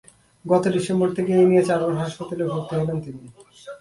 গত ডিসেম্বর থেকে এ নিয়ে চারবার হাসপাতালে ভর্তি হলেন তিনি।